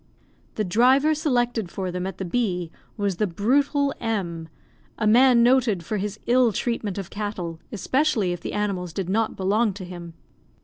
The driver selected for them at the bee was the brutal M y, a man noted for his ill treatment of cattle, especially if the animals did not belong to him.